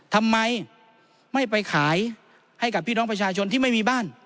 ทำไมไม่ไปขายให้กับพี่น้องประชาชนที่ไม่มีบ้าน